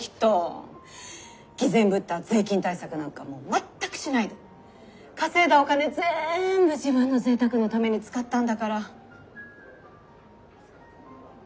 偽善ぶった税金対策なんかもう全くしないで稼いだお金ぜんぶ自分のぜいたくのために使ったんだから。